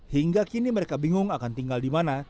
hingga kini mereka bingung akan tinggal di mana